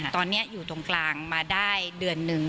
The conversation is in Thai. ตอนนี้อยู่ตรงกลางมาได้เดือนนึง